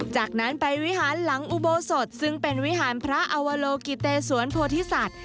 จากนั้นไปวิหารหลังอุโบสถซึ่งเป็นวิหารพระอวโลกิเตสวนโพธิสัตว์